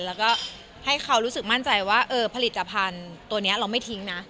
แล้วก็ให้เขารู้สึกมั่นใจว่าผลิตภัณฑ์ตัวนี้เราไม่ทิ้งนะ